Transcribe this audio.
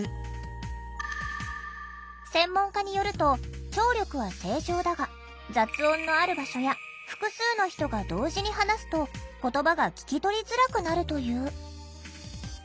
専門家によると聴力は正常だが雑音のある場所や複数の人が同時に話すと言葉が聞き取りづらくなるという。